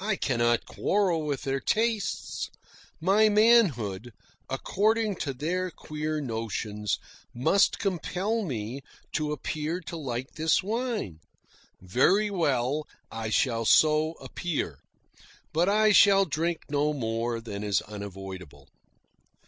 I cannot quarrel with their tastes. My manhood, according to their queer notions, must compel me to appear to like this wine. Very well. I shall so appear. But I shall drink no more than is unavoidable.